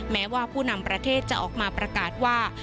แม้ว่าผู้นำประเทศจะออกมาประกาศว่า